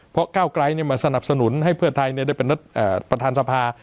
เพราะก้าวกรายเนี่ยมาสนับสนุนให้เพื่อไทยได้เป็นนัดประธานสภา